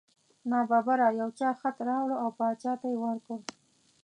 نا ببره یو چا خط راوړ او باچا ته یې ورکړ.